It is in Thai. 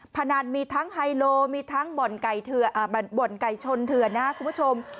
พนันมีทั้งไฮโลมีทั้งบ่อนไก่ชนเถื่อนนะครับคุณผู้ชม